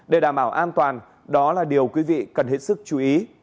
để đảm bảo an toàn đó là điều quý vị cần hết sức chú ý